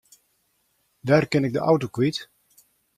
Wêr kin ik de auto kwyt?